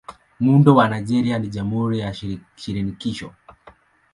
Muundo wa Nigeria ni Jamhuri ya Shirikisho.